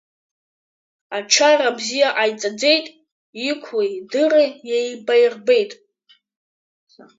Ачара бзиа ҟаиҵаӡеит, иқәлеи дыри еибаирбеит.